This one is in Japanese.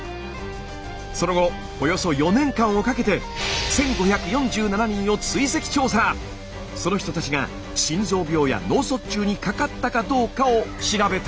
その後およそ４年間をかけてその人たちが心臓病や脳卒中にかかったかどうかを調べたんです。